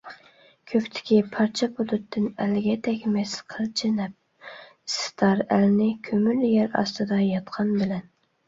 كۆكتىكى پارچە بۇلۇتتىن ئەلگە تەگمەس قىلچە نەپ، ئىسسىتار ئەلنى كۆمۈر يەر ئاستىدا ياتقان بىلەن.